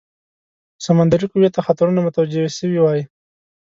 سمندري قوې ته خطرونه متوجه سوي وای.